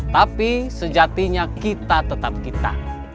tapi sejatinya kita tetap kita